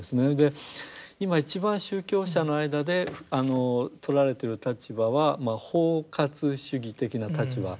今一番宗教者の間でとられてる立場は包括主義的な立場。